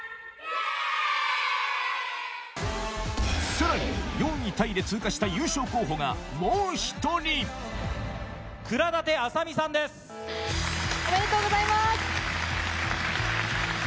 さらに４位タイで通過した優勝候補がもう１人おめでとうございます。